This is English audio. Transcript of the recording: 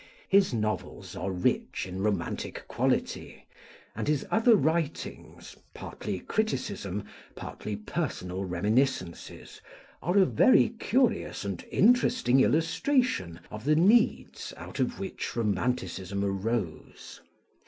His novels are rich in romantic quality; and his other writings partly criticism, partly personal reminiscences are a very curious and interesting illustration of the needs out of which romanticism arose.